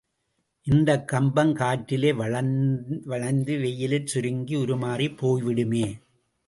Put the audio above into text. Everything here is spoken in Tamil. இந்தக் கம்பம் காற்றிலே வளைந்து வெயிலில் சுருங்கி உருமாறிப் போய்விடுமே!